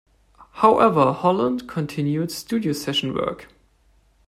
However, Holland continued studio session work.